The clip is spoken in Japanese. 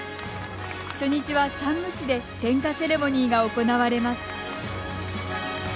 初日は山武市で点火セレモニーが行われます。